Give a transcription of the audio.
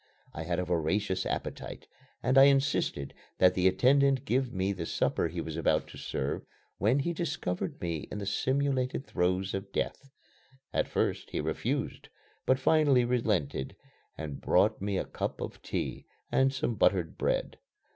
I had a voracious appetite, and I insisted that the attendant give me the supper he was about to serve when he discovered me in the simulated throes of death. At first he refused, but finally relented and brought me a cup of tea and some buttered bread.